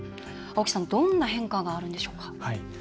どんな変化があるんでしょうか？